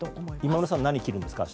今村さんは何を着るんですか？